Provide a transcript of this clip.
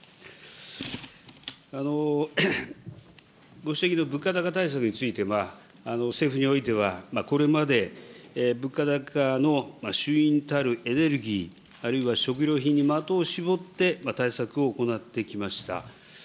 ご指摘の物価高対策については、政府においては、これまで物価高の主因たるエネルギー、あるいは食料品に的を絞って、対策を行ってきました。